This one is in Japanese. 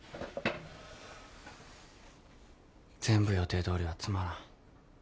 全部予定どおりはつまらん。